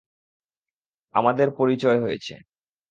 আমাদের পরিচয় হয়েছে।